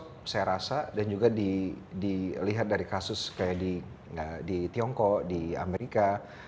jadi bioskop saya rasa dan juga dilihat dari kasus kayak di tiongkok di amerika